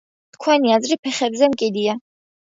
თქვენი აზრი ფეხებზე მკიდია.